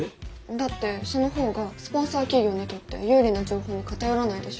だってその方がスポンサー企業にとって有利な情報に偏らないでしょ。